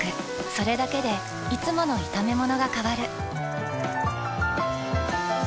それだけでいつもの炒めものが変わる。